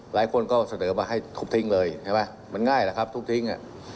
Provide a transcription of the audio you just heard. หลายคนก็เสนอมาให้ทุบทิ้งเลยใช่ไหมมันง่ายแหละครับทุบทิ้ง